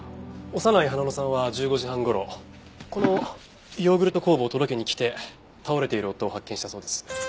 長内花野さんは１５時半頃このヨーグルト酵母を届けに来て倒れている夫を発見したそうです。